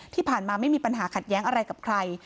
ที่ผ่านมาไม่มีปัญหาขัดแย้งอะไรกับใคร